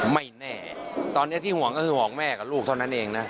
ไม่แน่ตอนนี้ที่หวังหวังแม่กับลูกเท่านั้นเอง